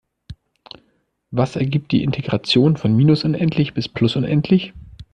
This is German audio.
Was ergibt die Integration von minus unendlich bis plus unendlich?